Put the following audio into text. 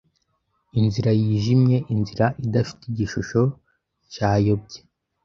Inzira yijimye inzira idafite Igishusho cyayobye